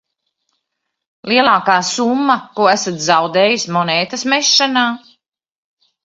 Lielākā summa, ko esat zaudējis monētas mešanā?